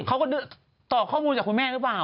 เขาก็ตอบข้อมูลจากคุณแม่หรือเปล่า